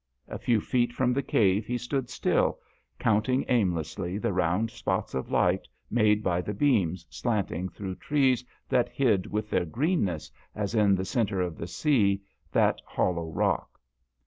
A few feet from the cave he stood still,, counting aimlessly the round spots of light made by the beams slanting through trees that hid with their greenness, as in the centre of the sea, that hollow rock.